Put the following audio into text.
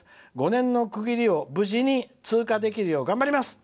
５年の区切りを無事に通過できるように頑張ります」。